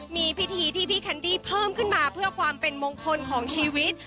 มีพิธีที่พี่แคนดี้เพิ่มขึ้นมาเพื่อความเป็นมงคลของชีวิต